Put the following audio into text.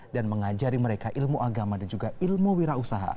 dan mengajari mereka ilmu agama dan juga ilmu wira usaha